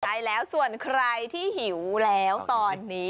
ใช่แล้วส่วนใครที่หิวแล้วตอนนี้